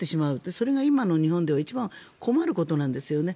それが今の日本では一番困ることなんですよね。